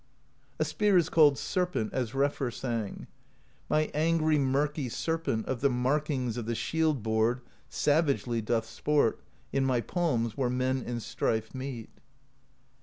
A spear is called Serpent, as Refr sang: My angry Murky Serpent Of the markings of the Shield Board Savagely doth sport, in My palms, where men in strife meet.